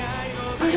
あれ？